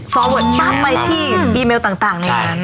โปรเวิดมากไปที่อีเมลต่างในการ